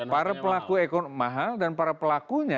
para pelaku ekonomi mahal dan para pelakunya